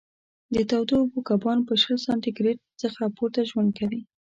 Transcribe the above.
د تودو اوبو کبان په شل سانتي ګرېد څخه پورته ژوند کوي.